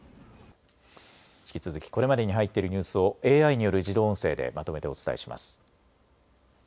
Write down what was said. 引き続きこれまでに入っているニュースをＡＩによる自動音声でまとめてお伝えします。